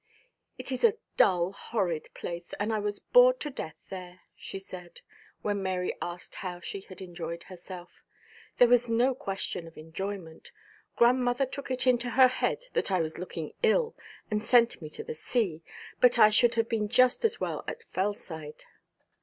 'It is a dull, horrid place, and I was bored to death there!' she said, when Mary asked how she had enjoyed herself. 'There was no question of enjoyment. Grandmother took it into her head that I was looking ill, and sent me to the sea; but I should have been just as well at Fellside.'